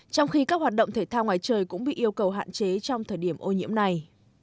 trong khi các hoạt động thể thao ngoài trời cũng bị yêu cầu hạn chế trong thời điểm ô nhiễm này